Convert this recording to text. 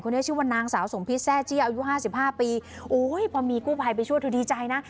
ชื่อว่านางสาวสมพิษแร่เจี้ยอายุห้าสิบห้าปีโอ้ยพอมีกู้ภัยไปช่วยเธอดีใจนะ